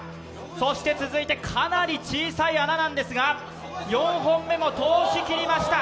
そして続いて、かなり小さい穴ですが４本目も通し切りました。